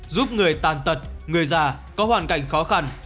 giúp người tàn tật người già có hoàn cảnh khó khăn